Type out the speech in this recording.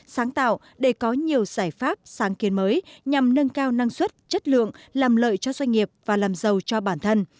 sáng tạo để có nhiều giải pháp sáng kiến mới nhằm nâng cao năng suất chất lượng làm lợi cho doanh nghiệp và làm giàu cho bản thân